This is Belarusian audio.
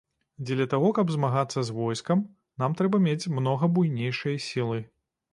Дзеля таго, каб змагацца з войскам, нам трэба мець многа буйнейшыя сілы.